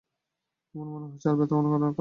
এমন মনে হচ্ছে আর ব্যথাও করে অনেক।